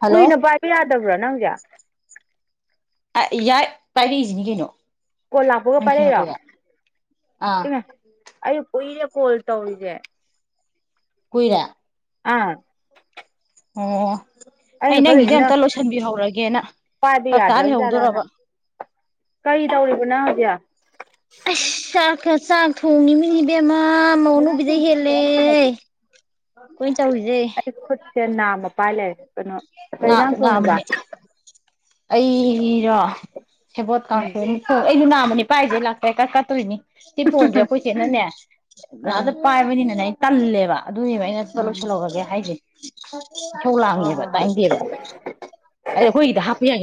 Hello ꯀꯨꯏꯅ ꯄꯥꯏꯕ ꯌꯥꯗꯕ꯭ꯔꯥ ꯅꯪꯁꯦ꯫ ꯌꯥꯏ ꯀꯥꯏꯔꯛꯏꯁꯤꯅꯤ ꯀꯩꯅꯣ ꯀꯣꯜ ꯂꯥꯛꯄꯒ ꯅꯪ ꯄꯥꯏꯔꯛꯩꯔꯣ ꯈꯉꯛꯄꯒ ꯑꯥ ꯏꯅꯦ ꯑꯩ ꯀꯨꯏꯔꯦ ꯀꯣꯜ ꯇꯧꯔꯤꯁꯦ꯫ ꯀꯨꯏꯔꯦ꯫ ꯑꯥ ꯑꯣ ꯑꯩ ꯑꯩꯅ ꯅꯪꯒꯤꯁꯦ ꯈꯜꯂꯤꯁꯤꯅ ꯑꯝꯇ ꯂꯣꯏꯁꯟꯕꯤꯍꯧꯔꯒꯦꯅ ꯄꯥꯏꯕ ꯐꯥꯔꯛ ꯌꯥꯗ꯭ꯔꯕꯖꯥꯠꯔꯅ ꯂꯩꯍꯧꯗꯣꯔꯕ ꯀꯔꯤ ꯇꯧꯔꯤꯕ ꯅꯪ ꯍꯧꯖꯤꯛ ꯑꯁ ꯆꯥꯛꯀ ꯆꯥꯛ ꯊꯣꯡꯉꯤꯃꯤꯅꯦ ꯏꯕꯦꯝꯃ ꯃꯧ ꯑꯅꯧꯕꯤꯗꯩꯩ ꯍꯦꯜꯂꯦ꯫ ꯀꯣꯏ ꯆꯇꯂꯨꯁꯦ꯫ ꯑꯩ ꯈꯨꯠꯁꯦ ꯅꯥꯝꯃ ꯄꯥꯏ ꯂꯩꯔꯦ ꯀꯩꯅꯣ ꯀꯩ ꯉꯥ ꯏꯪꯖꯥꯡ ꯊꯣꯡꯉꯤꯕ꯫ ꯉꯥꯃꯅꯦ ꯑꯩꯔꯣ ꯁꯦꯕꯣꯠ ꯎꯝ ꯀꯪꯁꯣꯏ ꯑꯃ ꯊꯣꯡ ꯑꯩꯩꯅ ꯅꯥꯃꯅꯦ ꯄꯥꯏꯁꯦ ꯀꯠ ꯀꯠꯇꯣꯏꯅꯤ ꯁꯤ ꯐꯣꯟꯁꯦ ꯑꯩꯈꯣꯏ ꯆꯦꯅꯅꯦ ꯑꯥ ꯄꯥꯏꯕꯅꯤꯅꯅꯦ ꯑꯩ ꯇꯜꯂꯦꯕ ꯑꯗꯨꯏꯅꯦꯕ ꯑꯩꯅ ꯎꯝ ꯂꯣꯏꯁꯤꯜꯂꯧꯔꯒꯦ ꯍꯥꯏꯁꯦ ꯏꯁꯧ ꯍꯣꯏ ꯂꯥꯡꯉꯤꯕ ꯍꯣꯏ ꯍꯣꯏ ꯇꯥꯏꯟꯇꯦꯕ ꯑꯩꯗ ꯑꯩꯈꯣꯏꯒꯤꯗ ꯍꯥꯞꯄ ꯌꯥꯏ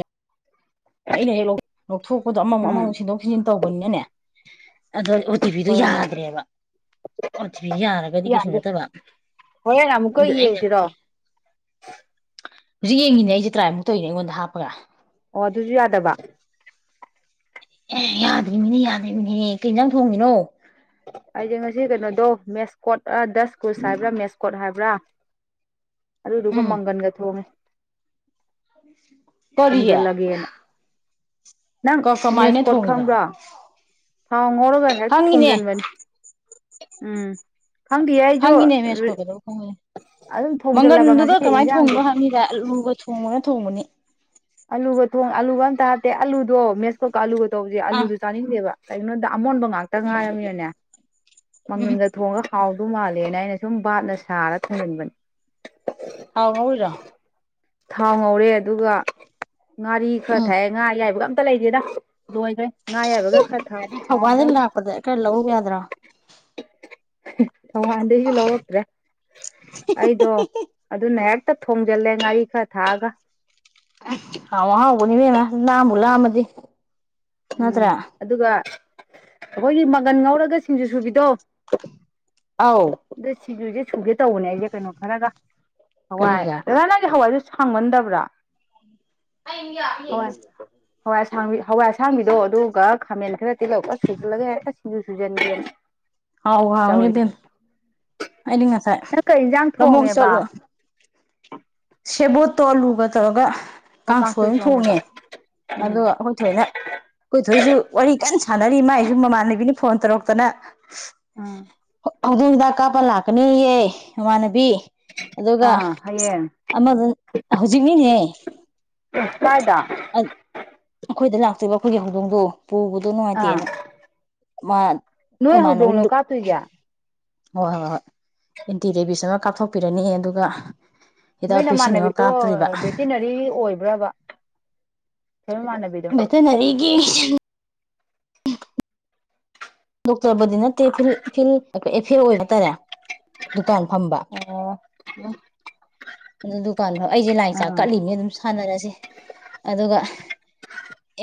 ꯑꯩꯅ ꯍꯦꯛ ꯂꯧꯊꯣꯛꯄꯗꯣ ꯑꯃꯃ ꯎꯝ ꯑꯃꯃꯛ ꯁꯤꯟꯗꯣꯛ ꯁꯤꯟꯖꯤꯟ ꯇꯧꯕꯅꯤꯅꯅꯦ꯫ ꯑꯗꯣ ꯑꯣ ꯇꯤ ꯄꯤꯗꯣ ꯍꯣꯏ ꯍꯣꯏ ꯌꯥꯗ꯭ꯔꯦꯕ ꯑꯣ ꯇꯤ ꯄꯤꯗ ꯌꯥꯔꯒꯗꯤ ꯀꯩꯁꯨ ꯌꯥꯗꯦ ꯅꯠꯇꯕ ꯍꯣꯔꯦꯟ ꯑꯃꯨꯛꯀ ꯑꯗꯨ ꯑꯩꯅ ꯌꯦꯡꯖꯤꯔꯣ ꯍꯧꯖꯤꯛ ꯌꯦꯡꯉꯤꯅꯦ ꯑꯩꯁꯦ ꯇ꯭ꯔꯥꯏꯃꯨꯛ ꯇꯧꯔꯤꯅꯦ ꯑꯩꯉꯣꯟꯗ ꯍꯥꯞꯄꯒ ꯑꯣ ꯑꯗꯨꯖꯨ ꯌꯥꯗꯕ ꯑꯦ ꯌꯥꯗ꯭ꯔꯤ ꯃꯤꯅꯦ ꯌꯥꯗ꯭ꯔꯤ ꯃꯤꯅꯦꯍ ꯀꯩ ꯌꯦꯟꯖꯥꯡ ꯊꯣꯡꯉꯤꯅꯣ ꯑꯩꯖꯦ ꯉꯁꯤ ꯀꯩꯅꯣꯗꯣ ꯃꯦꯁꯀꯣꯠ ꯑ ꯗꯁꯀꯨꯁ ꯍꯥꯏꯕ꯭ꯔꯥ ꯃꯦꯁꯀꯣꯠ ꯍꯥꯏꯕ꯭ꯔꯥ ꯑꯗꯨꯗꯨꯒ ꯎꯝ ꯃꯪꯒꯟꯒ ꯊꯣꯡꯉꯦ꯫ ꯀꯔꯤ ꯍꯣꯡꯖꯤꯜꯂꯒꯦꯅ ꯅꯪ ꯃꯤꯁ ꯀꯃꯥꯏꯅ ꯀꯣꯠ ꯊꯣꯡꯉꯤꯕ ꯈꯪꯕ꯭ꯔꯣ? ꯊꯥꯎ ꯉꯧꯔꯒ ꯍꯦꯛꯇ ꯈꯪꯉꯤꯅꯦ ꯊꯣꯡꯖꯤꯟꯕꯅꯤ ꯎꯝ ꯈꯪꯗꯦꯌꯦ ꯑꯩꯁꯨ ꯈꯪꯉꯤꯅꯦ ꯃꯦꯁ ꯀꯣꯠ ꯀꯩꯗ ꯀꯨꯡ ꯑꯣꯏꯗꯣꯏꯅꯣ ꯑꯗꯨꯝ ꯊꯣꯡꯖꯤꯜꯂꯕ ꯉꯁꯤ ꯃꯪꯒꯟꯗꯨꯒ ꯀꯃꯥꯏꯅ ꯏꯟꯖꯥꯡꯁꯦ ꯊꯣꯡꯕ ꯍꯥꯏꯞꯃꯤꯗ ꯑꯂꯨꯒ ꯊꯣꯡꯕꯅ ꯊꯣꯡꯕꯅꯤ꯫ ꯑꯥꯂꯨꯒ ꯊꯣꯡ ꯑꯂꯒ ꯑꯝꯇ ꯍꯥꯞꯠꯇꯦ ꯑꯂꯨꯗꯣ ꯃꯦꯁꯀꯣꯛꯀ ꯑꯂꯨꯒ ꯇꯁꯦ ꯑꯥ ꯑꯂꯨꯗꯨ ꯆꯥꯅꯤꯡꯗꯦꯕ ꯀꯩꯒꯤꯅꯣꯗ ꯑꯃꯣꯟꯕ ꯉꯥꯛꯇ ꯇ ꯉꯥꯏꯔꯝꯃꯤꯅꯅꯦ ꯎꯝ ꯎꯝ ꯃꯪꯒꯟꯒ ꯊꯣꯡꯉ ꯍꯥꯎꯗꯣ ꯃꯥꯜꯂꯦꯅ ꯑꯩꯅ ꯁꯨꯝ ꯕꯥꯞꯅ ꯁꯥꯔ ꯊꯤꯡꯍꯟꯕꯅꯦ ꯑꯥꯎ ꯍꯧꯔꯣ ꯊꯥꯎ ꯉꯧꯔꯦ ꯑꯗꯨꯒ ꯉꯥꯔꯤ ꯈꯔ ꯎꯝ ꯊꯥꯛꯑꯦ ꯉꯥ ꯑꯌꯥꯏꯕꯒ ꯑꯝꯇ ꯂꯩꯗꯦꯗ ꯅꯣꯏꯈꯩ ꯉꯥ ꯑꯌꯥꯏꯕꯒ ꯈꯔ ꯊꯥꯥꯛꯑꯗꯤ ꯊꯧꯕꯥꯜꯗ ꯍꯥꯎꯗꯧꯅꯤ ꯂꯥꯛꯄꯗ ꯈꯔ ꯂꯧꯔꯨ ꯌꯥꯗ꯭ꯔꯣ ꯊꯧꯋꯥꯟꯗꯩꯩꯁꯨ ꯂꯧꯔꯛꯇ꯭ꯔꯦ ꯑꯩꯗꯣ ꯑꯗꯨꯅ ꯍꯦꯛꯇ ꯊꯣꯡꯖꯤꯜꯂꯦ ꯉꯥꯔꯤ ꯀ ꯊꯥꯒ [unintelligible] ꯏꯕꯦꯝꯃ ꯂꯥꯝꯕꯨ ꯂꯥꯝꯃꯗꯤ ꯎꯝ ꯅꯠꯇ꯭ꯔꯥ ꯑꯗꯨꯒ ꯑꯩꯈꯣꯏꯒꯤ ꯃꯪꯒꯟ ꯉꯧꯔꯒ ꯁꯤꯡꯖꯨ ꯁꯨꯕꯤꯗꯣ ꯑꯥꯎ ꯑꯗ ꯁꯤꯒꯤꯁꯦ ꯁꯨꯒꯦ ꯇꯧꯕꯅꯦ ꯑꯩꯁꯦ ꯀꯩꯅꯣ ꯈꯔꯒ ꯍꯋꯥꯏ ꯀꯔꯤꯒ ꯍꯋꯥꯏ ꯁꯥꯡꯃꯟꯗꯕ꯭ꯔꯥ ꯍꯋꯥ ꯍꯋꯥ ꯑꯁꯥꯡꯕꯤꯗꯣ ꯑꯗꯨꯒ ꯈꯥꯃꯦꯟ ꯈꯔ ꯇꯤꯜꯍꯧꯒ ꯁꯨꯖꯜꯂꯒꯦ ꯍꯦꯛꯇ ꯁꯤꯡꯖꯨ ꯁꯨꯖꯟꯒꯦꯅ ꯍꯥꯎ ꯍꯥꯎꯅꯤ ꯇꯧꯏ ꯏꯕꯦꯝ ꯑꯩꯗꯤ ꯉꯁꯥꯏ ꯅꯪ ꯀꯩ ꯏꯟꯖꯥꯡ ꯂꯧꯕꯨꯛ ꯊꯣꯡꯉꯦꯕ ꯆꯠꯂꯨ ꯁꯦꯕꯣꯠꯇꯣ ꯑꯂꯨꯒ ꯇꯧꯔꯒ ꯑꯣ ꯀꯥꯡꯁꯣꯏ ꯀꯥꯡꯁꯣꯏꯃ ꯊꯣꯡꯉꯦꯕ ꯊꯣꯡꯉꯦ ꯎꯝ ꯑꯗꯨꯒ ꯑꯈꯣꯏ ꯑꯩꯣꯏ ꯊꯣꯏꯅ ꯑꯩꯈꯣꯏꯊꯣꯏꯁꯨ ꯋꯥꯔꯤ ꯀꯟꯅ ꯁꯥꯟꯅꯔꯤ ꯃꯥꯏꯁꯨ ꯃꯃꯥꯟꯅꯕꯤꯅ ꯐꯣꯟ ꯇꯧꯔꯛꯇꯅ ꯎꯝ ꯍꯧꯖꯤꯛ ꯍꯤꯗꯥꯛ ꯀꯥꯞꯄ ꯂꯥꯛꯀꯅꯤꯌꯦ ꯏꯃꯥꯟꯅꯕꯤ ꯑꯥ ꯍꯌꯦ ꯑꯃꯗ ꯍꯧꯖꯤꯛꯅꯤꯅꯦ ꯀꯥꯏꯗꯥ ꯑꯩꯈꯣꯏꯗ ꯂꯥꯛꯇꯣꯏꯕ ꯑꯈꯣꯏꯒꯤ ꯍꯧꯗꯣꯡꯗꯣ ꯄꯨꯕꯗꯣ ꯑꯥ ꯅꯨꯉꯥꯏꯇꯦꯅ ꯃꯥ ꯅꯣꯏ ꯍꯧꯗꯣꯡꯂꯣ [unintelligible] ꯀꯥꯞꯇꯣꯏꯁꯦ ꯍꯣꯏ ꯍꯣꯏ ꯍꯣꯏ ꯍꯣꯏ ꯑꯦꯟꯇꯤ ꯔꯦꯕꯤꯁ ꯑꯃ ꯀꯥꯞꯊꯣꯛꯄꯤꯔꯅꯤ ꯑꯗꯨꯒ ꯅꯣꯏ ꯍꯤꯗꯥꯛ ꯚꯦꯛꯁꯤꯟ ꯑꯃ ꯅꯃꯥꯟꯅꯕꯤꯗꯣ ꯀꯥꯞꯇꯣꯔꯤꯕ ꯚꯦꯇꯤꯅꯔꯤ ꯑꯣꯏꯕ꯭ꯔꯕ [unintelligible] ꯕꯦꯇꯅꯔꯤꯒꯤ ꯗꯣꯛꯇꯔꯕꯨꯗꯤ ꯅꯠꯇꯦ ꯐꯤꯜ ꯐꯤꯜ [unintelligible] ꯑꯣꯏꯕ ꯇꯥꯔꯦ ꯗꯨꯀꯥꯟ ꯐꯝꯕ ꯑꯣ [unintelligible] ꯑꯩꯖꯦ ꯂꯥꯏ ꯆꯥꯛ ꯑꯥ ꯀꯠꯂꯤꯃꯤ ꯑꯗꯨꯝ ꯁꯥꯟꯅꯔꯁꯤ ꯑꯗꯨꯒ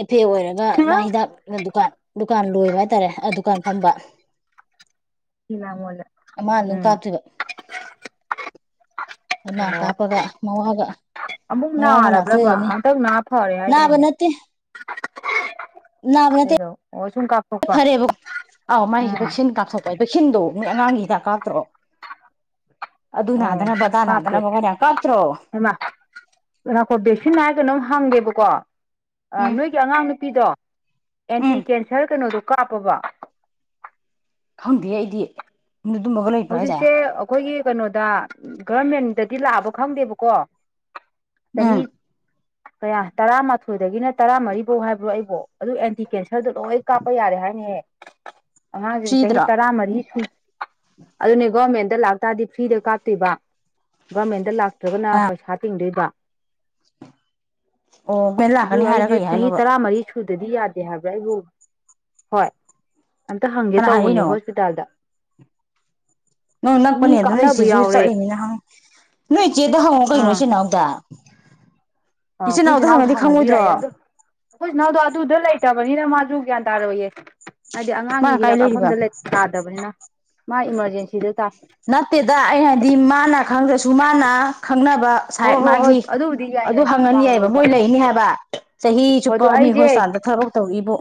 ꯑꯦꯐꯦ ꯑꯣꯏꯔꯝꯒ ꯃꯥ ꯍꯤꯗꯥꯛ ꯗꯨꯀꯥꯟ ꯗꯨꯀꯥꯟ ꯂꯣꯏꯕ ꯍꯥꯏꯇꯥꯔꯦ ꯗꯨꯀꯥꯟ ꯐꯝꯕ ꯊꯤꯂꯥꯃꯣꯜ ꯎꯝ [unintelligible] ꯑꯜꯃ ꯑꯣ ꯀꯥꯄꯒ ꯃꯋꯥꯒ ꯑꯃꯨꯛ ꯃ ꯋꯥ ꯈ ꯅꯥꯔꯕ꯭ꯔꯕ ꯂꯥꯛꯊꯗꯅꯤ ꯍꯟꯇꯛ ꯅꯥ ꯐꯔꯦ ꯕ ꯍꯥꯏꯗꯥꯏꯅꯦ ꯅꯠꯇ ꯅꯅꯦ ꯁꯨꯡꯀ [inaudible] ꯑꯥꯎ ꯃꯥꯥꯏ ꯚꯦꯛꯁꯤꯟ ꯀꯥꯞꯊꯣꯛꯄ ꯚꯦꯛꯁꯤꯟꯗꯣ ꯅꯣꯏ ꯑꯉꯥꯡꯒꯤ ꯍꯤꯗꯥꯛ ꯀꯥꯞꯇ꯭ꯔꯣ ꯑꯗꯨ ꯅꯥꯗꯅ ꯑꯗꯥ ꯅꯥꯗꯅꯕ [unintelligible] ꯀꯥꯞꯇ꯭ꯔꯣ ꯃꯥ [unintelligible] ꯚꯦꯛꯁꯤꯟ [unintelligible] ꯍꯪꯒꯦꯕꯀꯣ ꯑ ꯎꯝ ꯅꯣꯏꯒꯤ ꯑꯉꯥꯡ ꯅꯨꯄꯤꯗꯣ ꯑꯦꯟꯇꯤ ꯎꯝ ꯀꯦꯟꯁꯔ ꯀꯩꯅꯣꯗꯣ ꯀꯥꯞꯄꯕ ꯈꯪꯗꯦꯍꯦ ꯑꯩꯗꯤ ꯃꯒ ꯂꯩ ꯍꯧꯖꯤꯛꯁꯦ ꯑꯩꯈꯣꯏꯒꯤ ꯀꯩꯅꯣꯗ ꯒꯔꯃꯦꯟꯗꯗꯤ ꯂꯥꯛꯑꯕ ꯈꯪꯗꯦꯕꯀꯣ ꯎꯝ ꯆꯍꯤ ꯀꯌꯥ ꯇꯔꯥꯃꯥꯊꯣꯏꯗꯒꯤꯅ ꯇꯔꯥꯃꯔꯤꯐꯧ ꯍꯥꯏꯕ꯭ꯔꯣ ꯑꯩꯕꯣ ꯑꯗꯨ ꯑꯦꯇ ꯀꯦꯟꯁꯔꯗꯣ ꯂꯣꯏ ꯀꯥꯞꯄ ꯌꯥꯔꯦ ꯍꯥꯏꯅꯤꯍꯦ ꯑꯉꯥꯡꯁꯤꯡ ꯆꯍꯤ ꯐ꯭ꯔꯤꯗ꯭ꯔꯣ ꯇꯔꯥꯃꯔꯤ ꯁꯨ ꯑꯗꯨꯅꯤ ꯒꯣꯔꯃꯦꯟꯗ ꯂꯥꯛ ꯞꯇꯥꯗꯤ ꯐ꯭ꯔꯤꯗ ꯀꯥꯞꯇꯣꯏꯕ ꯒꯔꯃꯦꯟꯗ ꯂꯥꯛꯇ꯭ꯔꯒꯅ ꯑꯥ ꯄꯩꯁꯥ ꯇꯤꯡꯗꯣꯏꯕ ꯑꯣ ꯃꯦꯟ ꯑꯗꯨ ꯂꯥꯛꯀꯅꯤ ꯍꯥꯏꯔ ꯑꯩꯖꯦ ꯀꯩ ꯆꯍꯤ ꯍꯥꯏꯅꯣꯕ ꯇꯔꯥꯃꯔꯤ ꯁꯨꯗꯗꯤ ꯌꯥꯗꯦ ꯍꯥꯏꯕ꯭ꯔꯥ ꯑꯩꯕꯨ ꯍꯣꯏ ꯑꯝꯇ ꯍꯪꯒꯦ ꯀꯅꯥ ꯇꯧꯕꯅꯦ ꯍꯥꯏꯔꯛꯏꯅꯣ ꯍꯣꯁꯄꯤꯇꯥꯜꯗ ꯅꯪ ꯃꯤ ꯅꯛꯄꯅꯦ ꯑꯗꯨ ꯅꯣꯏ ꯀꯥꯞꯅꯕ ꯏꯆꯦꯖꯨ ꯌꯥꯎꯔꯦ ꯆꯠꯂꯤꯅꯤꯅ ꯍꯪ ꯅꯣꯏ ꯏꯆꯦꯗ ꯍꯪꯉꯣ ꯀꯩꯅꯣ ꯑꯥ ꯏꯆꯦꯅꯥꯎꯗ ꯑ ꯑꯩꯈꯣꯏ ꯏꯆꯦꯅꯥꯎꯗ ꯆꯤꯅꯥꯎꯗ ꯍꯪꯉꯗꯤ ꯍꯪꯉꯁꯨ ꯈꯪꯉꯣꯏꯗ꯭ꯔꯣ ꯌꯥꯏꯌꯦ ꯑꯗꯣ ꯑꯩꯈꯣꯏ ꯏꯆꯦꯅꯥꯎꯗꯣ ꯑꯗꯨꯗ ꯂꯩꯇꯕꯅꯤꯅ ꯃꯥꯁꯨ ꯒ꯭ꯌꯥꯟ ꯇꯥꯔꯣꯏꯌꯦ ꯍꯥꯏꯗꯤ ꯑꯉꯥꯡꯒꯤ ꯃꯥꯅ ꯀꯥꯏ ꯂꯩꯔꯤꯕ ꯍꯤꯗꯥꯛꯀꯥꯞꯐꯝꯗ ꯂꯩ ꯇꯥꯗꯕꯅꯤꯅ ꯃꯥ ꯏꯃꯔꯖꯦꯟꯁꯤꯗ ꯇꯥ ꯅꯠꯇꯦꯗ ꯑꯩ ꯍꯥꯏꯗꯤ ꯃꯥꯅ ꯈꯪꯗ꯭ꯔꯁꯨ ꯃꯥꯅ ꯈꯪꯅꯕ ꯍꯣꯏ ꯁꯥꯏꯠ ꯍꯣꯏ ꯍꯣꯏ ꯃꯥꯒꯤ ꯑꯗꯨꯕꯨꯗꯤ ꯌꯥꯏ ꯑꯗꯨ ꯌꯥꯏ ꯍꯪꯉꯅꯤ ꯄꯥꯎ ꯌꯥꯏꯕ ꯂꯧꯕ ꯃꯣꯏ ꯂꯩꯅꯤ ꯍꯥꯏꯕ ꯆꯍꯤ ꯍꯣꯏ ꯆꯨꯞꯄꯥ ꯑꯗꯣ ꯃ ꯃꯤ ꯑꯩꯁꯦ ꯍꯣꯁꯄꯤꯇꯥꯜꯗ ꯊꯕꯛ ꯇꯧꯔꯤꯕꯨ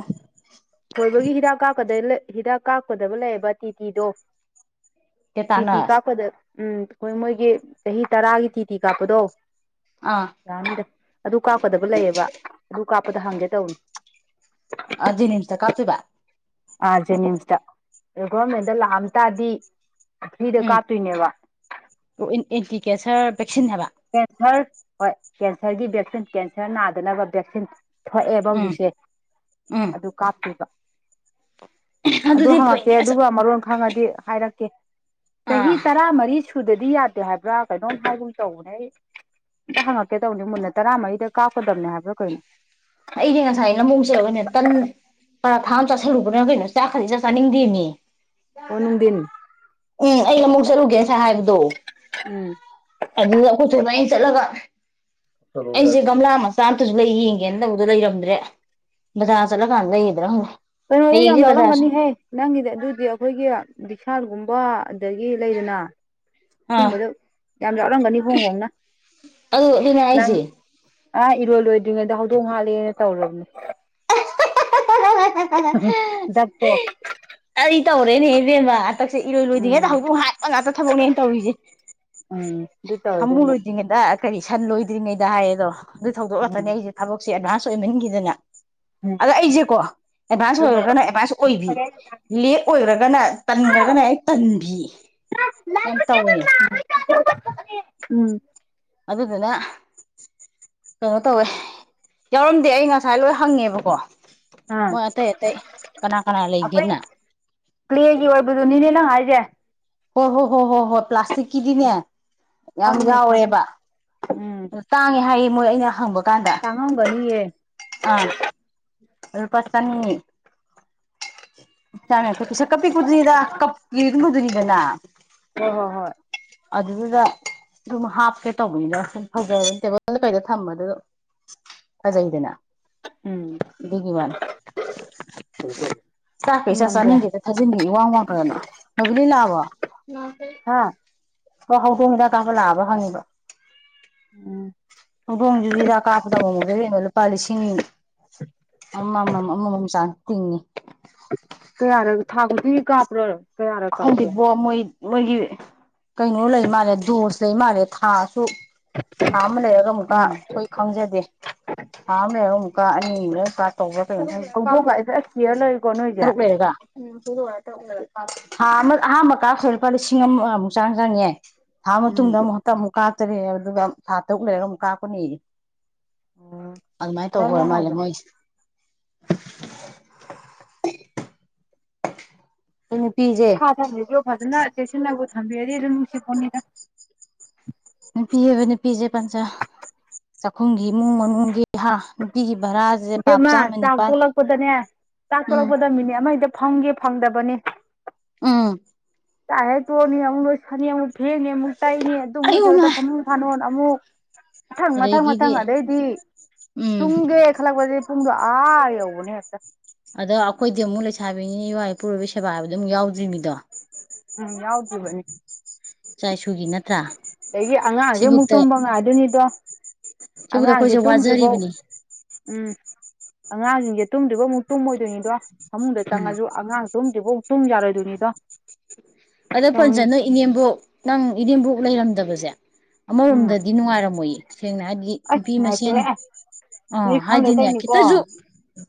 ꯊꯣꯏꯕꯒꯤ ꯍꯤꯗꯥꯛ [unintelligible] ꯍꯤꯗꯥꯛ ꯀꯥꯞꯀꯗꯕ ꯂꯩꯌꯦꯕ ꯇꯤ ꯇꯤꯗꯣ [unintelligible] ꯎꯝ ꯇꯦꯇꯥꯅꯁ ꯑꯩꯈꯣꯏ ꯃꯣꯏꯒꯤ ꯆꯍꯤ ꯇꯔꯥꯒꯤ ꯇꯤ ꯇꯤ ꯀꯥꯞꯄꯗꯣ ꯑꯥ [unintelligible] ꯑꯗꯨ ꯀꯥꯞꯀꯗꯕ ꯂꯩꯌꯦꯕ ꯑꯗꯨ ꯀꯥꯞꯄꯗ ꯍꯪꯒꯦ ꯇꯧꯅꯤ ꯑ ꯖꯤꯅꯤꯝꯁ ꯇ ꯀꯥꯞꯇꯣꯏꯕ ꯑꯥ ꯖꯦꯅꯤꯝꯁꯇ ꯑ ꯒꯣꯔꯔꯃꯦꯟꯗ ꯂꯥꯛꯑꯝ ꯇꯥꯔꯗꯤ ꯐ꯭ꯔꯤꯗ ꯀꯥꯞꯇꯣꯏꯅꯦꯕ ꯑꯣ ꯏꯟ ꯑꯦꯟꯇꯤ ꯀꯦꯟꯁꯔ ꯚꯦꯛꯁꯤꯟ ꯍꯥꯏꯕ ꯀꯦꯟꯁꯔ ꯍꯣꯏ ꯀꯦꯟꯁꯔꯒꯤ ꯚꯦꯛꯁꯤꯟ ꯀꯦꯟꯁꯔ ꯅꯥꯗꯅꯕ ꯚꯦꯛꯁꯤꯟ ꯊꯣꯛꯑꯦꯕ ꯎꯝ ꯍꯧꯖꯤꯛꯁꯦ ꯎꯝ ꯑꯗꯨ ꯀꯥꯞꯇ꯭ꯔꯤꯕ ꯑꯗꯨ ꯑꯗꯨꯗꯤ ꯐꯩꯅꯦ ꯍꯪꯉꯛꯀꯦ ꯑꯁ ꯑꯗꯨꯒ ꯃꯔꯣꯟ ꯈꯪꯉꯗꯤ ꯍꯥꯏꯔꯛꯀꯦ ꯑꯥ ꯆꯍꯤ ꯇꯔꯥꯃꯔꯤ ꯁꯨ ꯁꯨꯗ꯭ꯔꯗꯤ ꯌꯥꯗꯦ ꯍꯥꯏꯕ꯭ꯔ ꯀꯩꯅꯣꯝ ꯍꯥꯏꯒꯨꯝ ꯇꯧꯕ ꯑꯩ ꯇ ꯍꯪꯉꯛꯀꯦ ꯇꯧꯅꯤ ꯃꯨꯟꯅ ꯇꯔꯥꯃꯔꯤꯗ ꯀꯥꯞꯀꯗꯕꯅꯦ ꯍꯥꯏꯕ꯭ꯔꯥ ꯀꯩꯅꯣ ꯑꯩꯗꯤ ꯉꯁꯥꯏ [unintelligible] ꯇꯟ ꯄꯔꯥꯊꯥ ꯑꯃ ꯆꯥꯥꯁꯜꯂꯨꯕꯅꯔ ꯀꯩꯅꯣ ꯆꯥꯛꯀꯁꯤ ꯏꯆꯥ ꯆꯥꯅꯤꯡꯗꯦꯃꯤ ꯑꯣ ꯅꯨꯡꯗꯤꯟ ꯎꯝ ꯑꯩ ꯂꯃꯨꯛ ꯆꯠꯂꯨꯒꯦ ꯉꯁꯥꯏ ꯍꯥꯏꯕꯗꯣ ꯎꯝ ꯑꯗꯨꯗ ꯑꯩꯈꯣꯏꯊꯣꯏ ꯏꯕꯥꯟꯅꯤ ꯆꯠꯂꯒ ꯆꯂꯣ ꯑꯩꯁꯦ ꯌꯥꯔꯦ ꯒꯝꯂꯥ ꯑꯃ ꯆꯥꯝꯇꯁꯨ ꯂꯩ ꯌꯦꯡꯒꯦꯅ ꯇꯧꯕꯗ ꯂꯩꯔꯝꯗ꯭ꯔꯦ ꯕꯖꯥꯔ ꯆꯠꯂꯀꯥꯟꯗ ꯂꯩꯒꯗ꯭ꯔ ꯈꯪꯗꯦ ꯀꯩꯅꯣꯗ ꯌꯥꯝ ꯍꯌꯦꯡꯁꯦ ꯕꯖꯥꯔꯁꯨ ꯌꯥꯎꯔꯝꯒꯅꯤꯍꯦ ꯅꯪꯒꯤꯗꯤ ꯑꯗꯨꯗꯤ ꯑꯩꯈꯣꯏꯒꯤ ꯕꯤꯁꯥꯜꯒꯨꯝꯕ ꯑꯗꯒꯤ ꯂꯩꯗꯅ ꯑꯥ ꯍꯣꯡꯕꯗ ꯌꯥꯝ ꯌꯥꯎꯔꯝꯒꯅꯤ ꯍꯣꯡ ꯍꯣꯡꯅ [unintelligible] ꯅꯪ ꯍꯥꯏꯁꯦ ꯑꯥ ꯏꯔꯣꯏ ꯂꯣꯏꯗ꯭ꯔꯤꯉꯩꯗ ꯍꯧꯗꯣꯡ ꯍꯥꯠꯂꯦꯅ ꯇꯧꯔꯕꯅꯦ ꯗꯛꯇꯣ [unintelligible] ꯀꯔꯤ ꯇꯧꯔꯦꯅꯦ ꯏꯕꯦꯝꯃ ꯍꯟꯗꯛꯁꯦ ꯏꯔꯣꯏ ꯂꯣꯏꯗꯔꯤꯉꯩꯗ ꯎꯝ ꯍꯧꯗꯣꯛ ꯍꯥꯠꯄ ꯉꯥꯛꯇ ꯊꯕꯛꯅꯦ ꯑꯩꯅ ꯇꯧꯔꯤꯁꯦ ꯎꯝ ꯑꯗꯨ ꯁꯥꯃꯨ ꯇꯧꯔꯗꯣꯏꯅ ꯂꯣꯏꯗ꯭ꯔꯤꯉꯩꯗ ꯀꯔꯤ ꯁꯟ ꯂꯣꯏꯗ꯭ꯔꯤꯉꯩꯗ ꯍꯥꯏꯌꯦꯗꯣ ꯑꯗꯨ ꯊꯧꯗꯣꯛ ꯉꯥꯛꯇꯅꯦ ꯎꯝ ꯑꯩꯖꯦ ꯊꯕꯛꯁꯦ ꯑꯦꯗꯚꯥꯟꯁ ꯑꯣꯏꯃꯟꯈꯤꯗꯅ ꯑꯗ ꯑꯩꯖꯦꯀꯣ ꯑꯦꯗꯚꯥꯟꯁ ꯎꯝ ꯑꯣꯏꯔꯒꯅ ꯑꯦꯗꯚꯥꯟꯁ ꯑꯣꯏꯕꯤ ꯂꯦꯛ ꯑꯣꯏꯔꯒꯅ ꯇꯟꯒ꯭ꯔꯒꯅ ꯍꯦꯛ ꯇꯟꯕꯤ ꯌꯥꯝ ꯇꯧꯋꯦ [unintelligible] ꯎꯝ ꯑꯗꯨꯗꯨꯅ ꯀꯩꯅꯣ ꯇꯧꯋꯦ ꯌꯥꯎꯔꯝꯗꯦ ꯑꯩ ꯉꯁꯥꯏ ꯂꯣꯏ ꯍꯪꯉꯦꯕꯀꯣ ꯑꯥ ꯃꯣꯏ ꯑꯇꯩ ꯑꯇꯩ ꯀꯅꯥ ꯀꯅꯥ ꯑꯩꯈꯣꯏ ꯂꯩꯒꯦꯅ ꯀ꯭ꯂꯦꯒꯤ ꯑꯣꯏꯕꯗꯨ ꯅꯤꯅꯦ ꯅꯪ ꯍꯥꯏꯖꯦ ꯍꯣꯏ ꯍꯣꯏ ꯍꯣꯏ ꯍꯣꯏ ꯍꯣꯏ ꯄ꯭ꯂꯥꯁꯇꯤꯛꯀꯤꯗꯤꯅꯦ ꯌꯥꯝ ꯈꯪꯉꯤꯅꯦ ꯈꯪꯉꯤꯅꯦ ꯌꯥꯎꯔꯦꯕ ꯎꯝ ꯇꯥꯡꯉꯦ ꯍꯥꯏꯌꯦ ꯃꯣꯏ ꯑꯩꯅ ꯍꯪꯕ ꯀꯥꯟꯗ ꯇꯥꯡꯉꯝꯒꯅꯤꯌꯦ ꯑꯥ ꯂꯨꯄꯥ ꯆꯅꯤ ꯆꯥꯃ ꯌꯥꯡꯈꯩ ꯄꯤꯁꯛꯀ ꯄꯤꯛꯄ ꯗꯨꯅꯤꯗ ꯀꯞꯀꯤ ꯑꯗꯨꯒꯨꯝꯕꯗꯨꯅꯤꯗꯅ ꯍꯣꯏ ꯍꯣ ꯍꯣꯏ ꯑꯗꯨꯗꯥ ꯑꯗꯨꯝ ꯍꯥꯞꯀꯦ ꯇꯧꯕꯅꯤꯗ ꯁꯨꯝ [inaudible] ꯇꯦꯕꯜꯗ ꯀꯩꯗ ꯊꯝꯕꯗ ꯗꯨ ꯐꯖꯩꯗꯅ ꯎꯝ ꯑꯗꯨꯒꯤ ꯋꯥꯅꯦ ꯆꯥꯛꯀ ꯁꯨꯝ ꯏꯆꯥ ꯅꯝꯗꯦ ꯆꯥꯅꯤꯡꯗꯦꯗ ꯊꯥꯖꯤꯟꯒꯤ ꯏꯋꯥꯡ ꯋꯥꯡ ꯈꯠꯂꯅ ꯅꯕꯨꯗꯤꯅꯥ ꯑꯈꫭꯏ ꯍꯥ ꯍꯧꯗꯣꯡ ꯍꯤꯗꯥꯛ ꯀꯥꯞꯄ ꯂꯥꯛꯑꯕ ꯍꯪꯉꯤꯕ ꯎꯝ ꯍꯧꯗꯣꯡꯖꯤ ꯍꯤꯗꯥꯛ ꯀꯥꯞꯄꯗ ꯑꯃꯨꯃꯨꯛ ꯗꯨꯔꯦꯟꯒꯤ ꯂꯨꯄꯥ ꯂꯤꯁꯤꯡ ꯑꯃꯃꯝ ꯑꯃꯃꯝ ꯆꯥꯡ ꯇꯤꯡꯉꯦ ꯀꯌꯥꯔꯛ ꯊꯥꯈꯨꯗꯤꯡꯒꯤ ꯀꯥꯞꯄ꯭ꯔꯣ ꯀꯌꯥꯔꯛ ꯀꯥꯞꯀꯦ ꯈꯪꯗꯦꯕꫭ ꯃꯣꯏ ꯃꯣꯏꯒꯤ ꯀꯩꯅꯣ ꯂꯩ ꯃꯥꯜꯂꯦ ꯗꯔꫭꯁ ꯂꯩ ꯃꯥꯜꯂꯦ ꯊꯥ ꯇꯨꯛ ꯊꯥ ꯑꯃ ꯂꯩꯔꯒ ꯑꯃꯨꯛꯀ ꯎꯝ ꯑꯩꯈꯣꯏ ꯈꯪꯖꯗꯦ ꯊꯥ ꯑꯃ ꯂꯩꯔꯒ ꯑꯃꯨꯛ ꯀꯥ ꯑꯅꯤ ꯂꯩꯔ ꯀꯥ ꯇꯧꯕ꯭ꯔꯥ ꯀꯩꯅꯣ ꯈꯪꯗꯦ ꯍꯧꯗꯣꯡꯒ ꯑꯩꯁꯨ ꯑꯁ ꯀꯤꯌꯔ ꯂꯩꯀꯣ ꯅꯣꯏꯁꯦ ꯇꯔꯨꯛ ꯂꯩꯔꯒ ꯊꯥꯃ ꯑꯍꯥꯥꯟꯕ ꯀꯥꯞꯈꯤ ꯂꯨꯄꯥ ꯂꯤꯁꯤꯡ ꯑꯃꯃꯨꯛ ꯆꯥꯡ ꯆꯪꯉꯦ ꯊꯥ ꯃꯥ ꯎꯝ ꯃꯇꯨꯡꯗ ꯑꯃꯨꯛ ꯍꯟꯇꯛ ꯑꯃꯨꯛ ꯀꯥꯞꯇꯔꯦ ꯑꯗꯨꯒ ꯊꯥ ꯇꯔꯨꯛ ꯂꯩꯔꯒ ꯑꯃꯨꯛ ꯀꯥꯞꯀꯅꯤ ꯑꯣ ꯑꯗꯨ ꯃꯥꯥꯏ ꯇꯧꯕ ꯑꯗꯨꯃꯥꯏ ꯌꯥꯝ ꯑꫭꯏꯔ ꯃꯥꯜꯂꯦ ꯍꯥꯎꯕ꯭ꯔꯥ ꯃꯣꯏꯁꯤ ꯅꯨꯄꯤꯖꯦ ꯁꯥꯊꫭꯛꯂꯤꯖꯨ ꯐꯖꯅ ꯆꯦꯛꯁꯤꯟꯅꯕꯨ ꯊꯝꯕꯤꯔꯗꯤ ꯑꯗꯨꯝ ꯅꯨꯡꯁꯤꯄꫭꯠꯅꯤꯗ ꯅꯨꯄꯤ ꯍꯥꯏꯕ ꯅꯨꯄꯤꯁꯦ ꯄꯟꯆꯥ ꯆꯥꯛꯈꯨꯝꯒꯤ ꯏꯃꯨꯡ ꯃꯅꯨꯡꯒꯤ ꯍꯥ ꯅꯨꯄꯤꯒꯤ ꯚꯔꯥꯁꯦ ꯄꯥꯞ ꯏꯕꯦꯝꯃꯥ ꯆꯥꯝꯃ ꯆꯥꯛ ꯅꯤꯄꯥꯜ ꯊꯣꯂꯛꯄꯗꯅꯦ ꯆꯥꯛ ꯎꯝ ꯊꯣꯂꯛꯄꯗ ꯃꯤꯅꯤꯠ ꯑꯃ ꯍꯦꯛꯇ ꯐꯝꯒꯦ ꯐꯪꯗꯕꯅꯦ ꯎꯝ ꯆꯥꯛꯍꯦꯛ ꯇꫭꯛꯑꯅꯤ ꯑꯃꯨꯛ ꯂꯣꯏꯁꯟꯅꯤ ꯑꯃꯨꯛ ꯐꯦꯡꯅꯤ ꯑꯃꯨꯛ ꯇꯩꯅꯤ ꯑꯗꯨꯃꯨꯛ ꯑꯩꯌꯣ ꯃꯥ ꯂꫭꯏꯁꯤꯜꯂꯗꯛ ꯐꯃꯨꯡ ꯐꯥꯅꯣꯟ ꯑꯃꯨꯛ ꯃꯊꯪ ꯃꯊꯪ ꯑꯗꯒꯤꯗꯤ ꯃꯊꯪ ꯑꯗꯩꯗꯤ ꯎꯝ ꯇꯨꯝꯒꯦ ꯈꯜꯂꯛꯄꯖꯦ ꯄꯨꯡꯗꯣ ꯑꯥ ꯌꯧꯕꯅꯦ ꯍꯦꯛꯇ ꯑꯗꯣ ꯑꯩꯈꯣꯏꯗꯤ ꯑꯃꯨꯛ ꯂꯩꯁꯥꯕꯤꯅꯤꯅꯦ ꯏꯋꯥ ꯏꯄꯨꯔꯣꯏꯕꯒꯤ ꯁꯦꯕꯥ ꯍꯥꯏꯕꯗꯨꯃꯨꯛ ꯌꯥꯎꯗ꯭ꯔꯤꯅꯤꯗꯣ ꯎꯝ ꯌꯥꯎꯗꯔꯤꯕꯅꯤ ꯏꯆꯥ ꯏꯁꯨꯒꯤ ꯅꯠꯇ꯭ꯔꯥ ꯑꯗꯒꯤ ꯑꯉꯥꯡꯒꯤꯃꯨꯛ ꯁꯤꯕꯨꯛꯇ ꯇꯨꯝꯕ ꯉꯥꯏꯗꫭꯏꯅꯤꯗꯣ ꯁꯤꯕꯨꯛꯇ ꯑꯉꯥꯡꯖꯤ ꯑꯩꯈꯣꯏꯁꯦ ꯇꯨꯝꯗ꯭ꯔꯤꯕꯥꯎ ꯋꯥꯖꯔꯤꯕꯅꯤ ꯎꯝ ꯑꯉꯥꯡꯖꯤꯡꯖꯩ ꯇꯨꯝꯗꯔꯤꯕ ꯑꯃꯨꯛ ꯇꯨꯝꯃꯣꯏꯗꯣꯏꯅꯤꯗꯣ ꯐꯃꯨꯡꯗ ꯎꯝ ꯆꯪꯉꯖꯨ ꯑꯉꯥꯡ ꯇꯨꯝꯗꯤꯕꯨꯛ ꯇꯨꯝꯌꯥꯔꯣꯏꯗꫭꯏꯅꯤꯗꯣ ꯑꯗ ꯐꯖꯅ ꯏꯅꯦꯝꯕꯣꯛ ꯅꯪ ꯏꯅꯦꯝꯕꯣꯛ ꯂꯩꯔꯝꯗꯕꯖꯦ ꯎꯝ ꯑꯃꯔꯣꯝꯗꯗꯤ ꯅꯨꯡꯉꯥꯏꯔꯝꯃꯣꯏꯌꯦ ꯁꯦꯡꯅ ꯍꯥꯏꯗꯤ ꯑꯁ ꯅꯨꯄꯤ ꯃꯁꯦꯟ ꯅꯨꯡꯉꯥꯏꯇꯦꯍꯦ ꯑ ꯅꯣꯏ ꯈꯪꯗ ꯍꯥꯏꯗꯤꯅꯦ ꯇꯧꯅꯤꯀꯣ ꯈꯤꯇꯖꯨ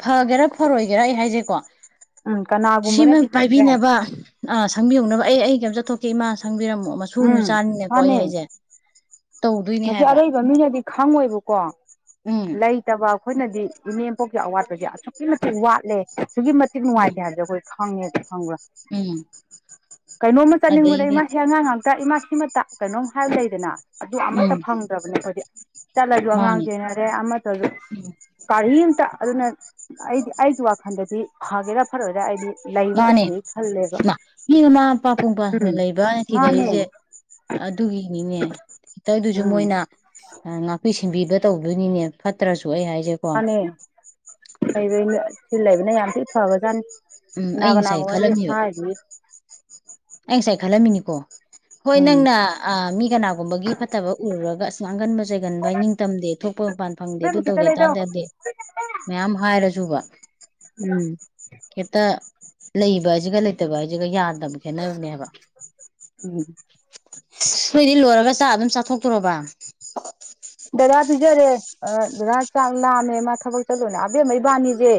ꯐꯒꯦꯔꯥ ꯐꯔꯣꯏꯒꯦꯔꯥ ꯑꯩ ꯍꯥꯏꯖꯦꯀꯣ ꯎꯝ ꯁꯤꯃ ꯀꯅꯥꯒꯨꯝꯕꯅꯗꯤ ꯍꯥꯏꯈ꯭ꯔꯦ ꯄꯥꯏꯕꯤꯅꯕ ꯑꯥ ꯁꯪꯕꯤꯍꯧꯅꯕ ꯑꯩ ꯑꯩ ꯀꯩꯝ ꯆꯠꯊꯣꯛꯀꯦ ꯏꯃꯥ ꯁꯪꯕꯤꯔꯝꯃꯣ ꯃꯁꯨꯨꯅꯤ ꯎꯝ ꯃꯆꯥꯅꯤꯅꯀꯣ ꯑꯩ ꯃꯥꯅꯦ ꯍꯥꯏꯖꯦ ꯃꯁꯤ ꯑꯔꯩꯕ ꯃꯤꯅꯗꯤ ꯈꯪꯉꯣꯏꯕꯀꯣ ꯎꯝ ꯂꯩ ꯇꯕ ꯑꯩꯈꯣꯏꯅꯗꯤ ꯏꯃꯦꯝꯄꯣꯛꯀꯤ ꯑꯋꯥꯠꯄꯁꯦ ꯑꯁꯨꯛꯀꯤ ꯃꯇꯤꯛ ꯋꯥꯠꯂꯦ ꯑꯁꯨꯛꯀꯤ ꯃꯇꯤꯛ ꯎꯝ ꯅꯨꯡꯉꯥꯏꯇꯦ ꯍꯥꯏꯕꯖꯦ ꯑꯩꯈꯣꯏ ꯈꯪꯉꯦ ꯈꯪꯕ꯭ꯔꯥ ꯎꯝ ꯀꯩꯅꯣꯝꯃ ꯆꯠꯅꯤꯡꯕꯗ ꯑꯗꯩꯗꯤ ꯏꯃꯥꯁꯤ ꯑꯉꯥꯡ ꯉꯥꯛ ꯇ ꯏꯃꯥ ꯁꯤꯃꯇ ꯀꯩꯅꯣꯝ ꯍꯥꯏꯕ ꯂꯩꯗꯅ ꯑꯗꯨ ꯎꯝ ꯑꯃꯠꯇ ꯐꯪꯗ꯭ꯔꯕꯅꯦ ꯑꯩꯈꫭꯏꯗꯤ ꯆꯠꯂꯁꯨ ꯑꯉꯥꯡ ꯃꯥꯅꯦ ꯁꯦꯟꯅꯔꯦ ꯑꯃꯠꯇꯖꯨ ꯎꯝ ꯀꯔꯤꯝꯇ ꯑꯗꯨꯅ ꯑꯩꯗꯤ ꯑꯩꯒꯤ ꯋꯥꯈꯜꯗꯗꯤ ꯐꯒꯦꯔꯥ ꯐꯔꯣꯏꯔꯥ ꯑꯩꯗꯤ ꯂꯩꯕꯅ ꯃꯥꯅꯦ ꯐꯩ ꯈꯜꯂꯦꯕ ꯏꯃꯥ ꯃꯤ ꯃꯃꯥ ꯃꯄꯥ ꯄꯨꯡꯄꯥ ꯎꯝ ꯂꯩꯕ꯭ꯔꯅ ꯃꯥꯅꯦ ꯊꯤꯅꯩꯖꯦ ꯑꯗꯨꯒꯤꯅꯤꯅꯦ ꯈꯤꯇꯗꯖꯨ ꯎꯝ ꯃꯣꯏꯅ ꯉꯥꯛꯄꯤꯁ ꯁꯦꯟꯕꯤꯕ ꯇꯧꯗꯣꯏꯅꯤꯅꯦ ꯐꯠꯇ꯭ꯔꯁꯨ ꯑꯩ ꯍꯥꯏꯖꯦ ꯃꯥꯅꯤ ꯂꯩꯕꯩꯅꯤ ꯁꯤ ꯂꯩꯕꯅ ꯌꯥꯝ ꯊꯤ ꯐꯒꯔꯖꯥꯠꯅꯤ ꯎꯝ ꯑꯩ ꯅꯒ ꯉꯁꯥꯏ ꯅꯒ ꯋꯥꯔꯤ ꯈꯜꯂꯝꯃꯦꯕ ꯍꯥꯏꯔꯤ ꯑꯩ ꯉꯁꯥꯏ ꯈꯜꯂꯝꯃꯤꯅꯤꯀꯣ ꯍꯣꯏ ꯎꯝ ꯅꯪꯅ ꯑꯥ ꯃꯤ ꯀꯅꯥꯒꯨꯝꯕꯒꯤ ꯐꯠꯇꯕ ꯎꯔꯨꯔꯒ ꯑꯁ ꯉꯥꯡꯒꯟꯕ ꯆꯩꯥꯒꯟꯕ ꯅꯤꯡꯇꯝꯗꯦ ꯊꯣꯛꯄ ꯃꯄꯥꯟ ꯐꯪꯗꯦ ꯏꯕꯦꯝꯃ ꯑꯗꯨ ꯈꯤꯇ ꯇꯧꯗꯦ ꯑꯗꯥ ꯂꯩꯔꯛꯎ ꯇꯧꯗꯦ ꯃꯌꯥꯝ ꯍꯥꯏꯔꯁꯨꯕ ꯎꯝ ꯍꯦꯛꯇ ꯂꯩꯕ ꯍꯥꯏꯁꯤꯒ ꯂꯩꯇꯕ ꯍꯥꯏꯁꯤꯒ ꯌꯥꯗꯕ ꯈꯦꯠꯅꯕꯅꯦꯕ ꯎꯝ ꯅꫭꯏꯗꯤ ꯂꯣꯏꯔꯒ ꯆꯥꯛ ꯑꯗꯨꯝ ꯆꯥꯊꯣꯛꯇꯣꯔꯣꯕꯥ ꯗꯗꯥ ꯄꯤꯖꯔꯦ ꯑ ꯗꯗꯥ ꯆꯥꯛ ꯂꯥꯝꯃꯦ ꯃꯥ ꯊꯕꯛ ꯆꯠꯂꯨꯅꯦ ꯑꯕꯦꯝꯃ ꯏꯕꯥꯅꯤꯁꯦ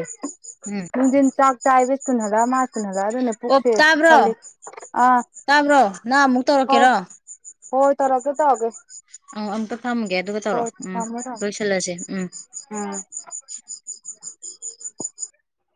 ꯎꯝ ꯃꯤꯟ ꯆꯥꯛ ꯆꯥ ꯁꯨꯅꯗ ꯃꯥꯁ ꯅꯒ ꯑꯗꯨꯅ ꯑꯣ ꯄꯨꯛꯁꯦ ꯇꯥꯕ꯭ꯔꯣ ꯈꯜꯂꯤ ꯑꯥ ꯇꯥꯕ꯭ꯔꯣ ꯅꯪ ꯑꯃꯨꯛ ꯍꯥꯎ ꯇꯧꯔꯛꯀꯦꯔꯣ ꯍꯣꯏ ꯇꯔꯒ ꯇꯑꯒꯦ ꯑ ꯑꯝꯇ ꯐꯝꯒꯦ ꯑꯗꯨꯒ ꯇꯧꯔꯛꯑꯣ ꯎꯝ ꯊꯝꯃꯣ ꯊꯝꯃꯣ ꯂꯣꯏꯁꯤꯜꯂꯁꯦ ꯎꯝ ꯎꯝ